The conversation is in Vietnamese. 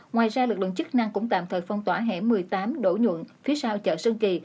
ngoài ra lực lượng chức năng cũng tạm thời phong tỏa hẻm một mươi tám đỗ nhuận phía sau chợ sơn kỳ